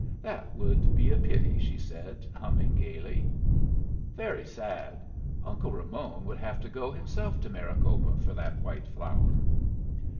"That would be a pity," she said, humming gayly. "Very sad. Uncle Ramon would have to go himself to Maricopa for that white flour."